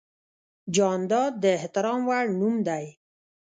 جانداد د احترام وړ نوم دی.